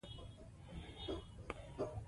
افغانستان په لمریز ځواک غني دی.